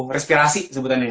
respirasi sebutan ini